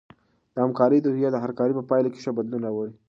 د همکارۍ روحیه د هر کار په پایله کې ښه بدلون راوړي.